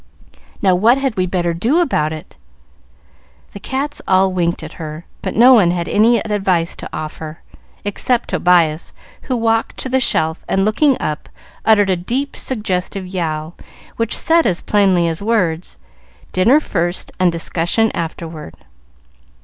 Now, what had we better do about it?" The cats all winked at her, but no one had any advice to offer, except Tobias, who walked to the shelf, and, looking up, uttered a deep, suggestive yowl, which said as plainly as words, "Dinner first and discussion afterward."